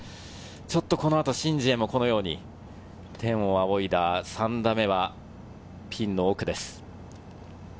ちょっとこのあと、シン・ジエもこのように天を仰いだ３打目、ピンの奥です。